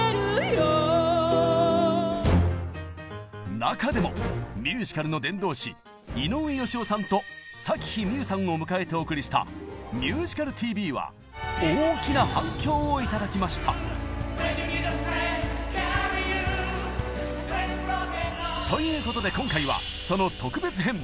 中でもミュージカルの伝道師井上芳雄さんと咲妃みゆさんを迎えてお送りした「ミュージカルＴＶ」は大きな反響を頂きました！ということで今回はその特別編第２弾！